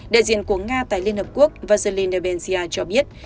đại diện của nga tại liên hợp quốc vasi nebensia cho biết